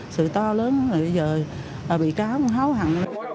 sự to lớn là bây giờ bị cáo cũng háo hận